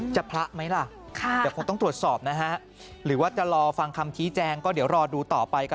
พระไหมล่ะเดี๋ยวคงต้องตรวจสอบนะฮะหรือว่าจะรอฟังคำชี้แจงก็เดี๋ยวรอดูต่อไปค่ะ